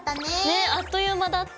ねあっという間だった。